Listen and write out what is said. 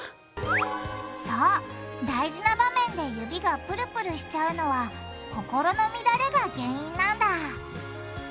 大事な場面で指がプルプルしちゃうのは「心の乱れ」が原因なんだ